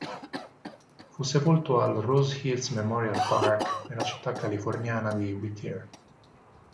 Fu sepolto al Rose Hills Memorial Park nella città californiana di Whittier.